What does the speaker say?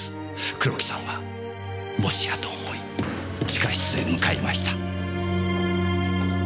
黒木さんはもしやと思い地下室へ向かいました。